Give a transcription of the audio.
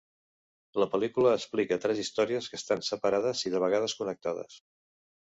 La pel·lícula explica tres històries que estan separades i de vegades connectades.